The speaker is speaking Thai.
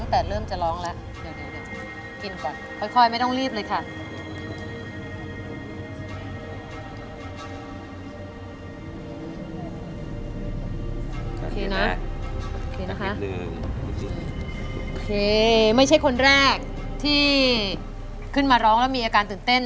โอเคนะโอเคนะคะอันนี้โอเคไม่ใช่คนแรกที่ขึ้นมาร้องแล้วมีอาการตื่นเต้น